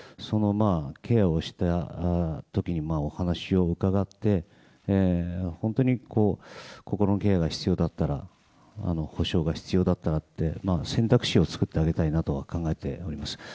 ケアをする時に、お話を伺って本当に心のケアが必要だったら補償が必要だったらって選択肢を作ってあげたいなと考えております。